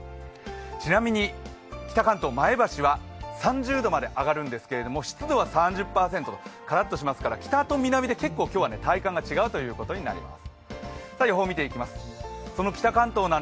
ちなみに群馬県前橋は３０度まで上がるんですけれども、湿度は３０％とカラッとしますから北と南で体感が違うということになります。